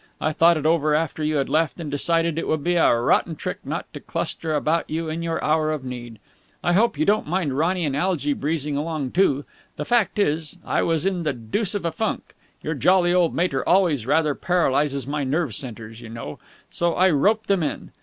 I thought it over after you had left, and decided it would be a rotten trick not to cluster about you in your hour of need. I hope you don't mind Ronny and Algy breezing along too. The fact is, I was in the deuce of a funk your jolly old mater always rather paralyses my nerve centres, you know so I roped them in.